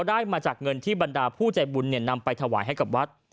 ได้มาจากเงินที่บรรดาผู้ใจบุญนำไปถวายให้กับวัด